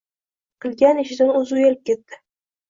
Qilgan ishidan o’zi uyalib ketdi.